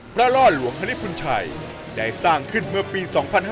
พระรอดหลวงฮลิปุ่นชัยได้สร้างขึ้นเมื่อปี๒๕๕๘